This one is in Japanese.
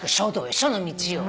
書の道よ。